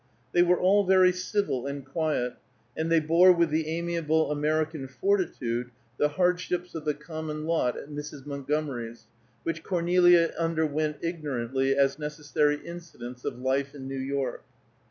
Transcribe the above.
They were all very civil and quiet, and they bore with the amiable American fortitude the hardships of the common lot at Mrs. Montgomery's, which Cornelia underwent ignorantly as necessary incidents of life in New York.